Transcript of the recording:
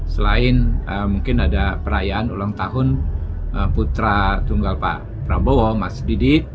selain mungkin ada perayaan ulang tahun putra tunggal pak prabowo mas didi